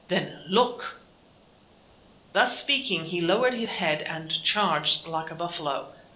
"Then look!" Thus speaking he lowered his head and charged like a buffalo.